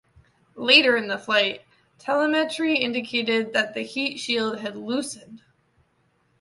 Later in the flight, telemetry indicated that the heat shield had loosened.